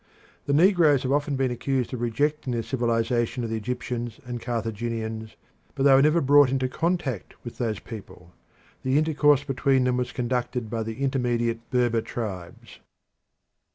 The negroes have often been accused of rejecting the civilisation of the Egyptians and Carthaginians, but they were never brought into contact with those people. The intercourse between them was conducted by the intermediate Berber tribes.